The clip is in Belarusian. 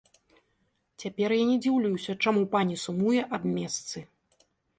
Цяпер я не дзіўлюся, чаму пані сумуе аб месцы.